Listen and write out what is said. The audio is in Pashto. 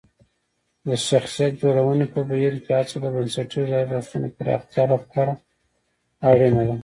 د شخصیت جوړونې په بهیر کې هڅه د بنسټیزو ارزښتونو پراختیا لپاره اړینه ده.